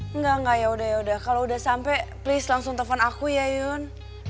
enggak enggak yaudah kalau udah sampai please langsung telepon aku ya yun